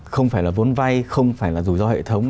không phải là vốn vay không phải là rủi ro hệ thống